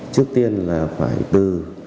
trước tiên là phải từ